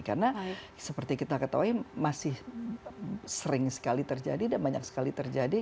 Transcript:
karena seperti kita ketahui masih sering sekali terjadi dan banyak sekali terjadi